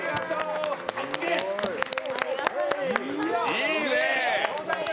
いいねえ。